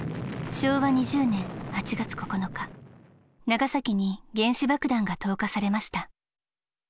昭和２０年８月９日長崎に原子爆弾が投下されました。